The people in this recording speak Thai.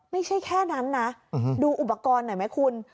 ไม่ใช่แค่นั้นนะดูอุปกรณ์หน่อยไหมคุณ